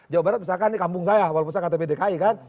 jawa barat misalkan di kampung saya walaupun saya ktp dki kan